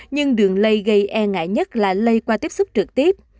nhưng đường lây gây e ngại nhất là lây qua tiếp xúc trực tiếp